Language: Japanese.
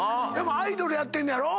アイドルやってんねやろ？